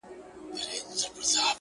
پدرلعنته حادثه ده او څه ستا ياد دی؛